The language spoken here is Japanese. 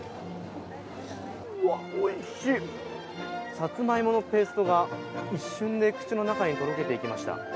さつまいものペーストが一瞬で口の中にとろけていきました。